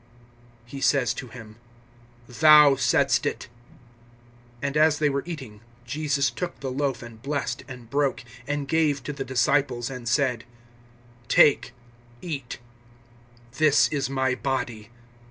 He says to him: Thou saidst it. (26)And as they were eating, Jesus took the loaf[26:26], and blessed, and broke, and gave to the disciples, and said: Take, eat; this is my body.